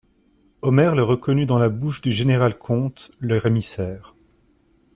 Omer le reconnut dans la bouche du général-comte, leur émissaire.